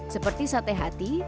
seperti sate hati